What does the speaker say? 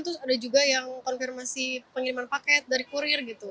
terus ada juga yang konfirmasi pengiriman paket dari kurir gitu